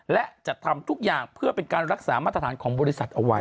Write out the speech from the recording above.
และจะทำทุกอย่างเพื่อเป็นการรักษามาตรฐานของบริษัทเอาไว้